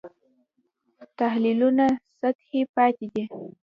تحلیلونه سطحي پاتې دي.